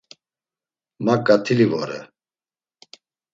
Ma ǩatili vore.